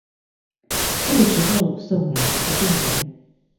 這個時候送來一個病人